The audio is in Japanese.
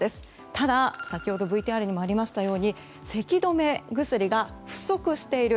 ただ、先ほどＶＴＲにもありましたようにせき止め薬が不足している。